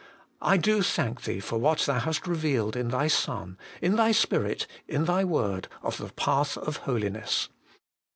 I do thank Thee for what Thou hast revealed in Thy Son, in Thy Spirit, in Thy Word, of the path of Holiness.